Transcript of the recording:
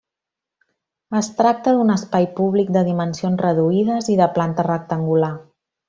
Es tracta d'un espai públic de dimensions reduïdes i de planta rectangular.